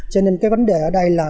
cho nên cái vấn đề ở đây là